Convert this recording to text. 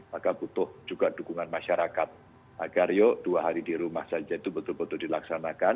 maka butuh juga dukungan masyarakat agar yuk dua hari di rumah saja itu betul betul dilaksanakan